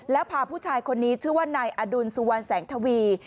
แล้วพาผู้ชายคนนี้ชื่อว่านายอดุลสุวรรณแสงทวี